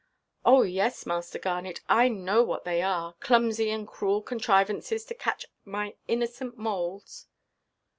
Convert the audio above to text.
"Oh yes, Master Garnet, I know what they are; clumsy and cruel contrivances to catch my innocent moles."